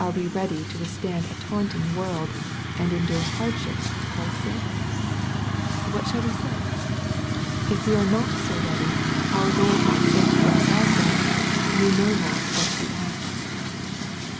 Are we ready to withstand a taunting world, and endure hard ships for Christ's sake ?— What shall we say ? If we are not so ready, our Lord might say to us also, ^^ Ye know not what ye ask."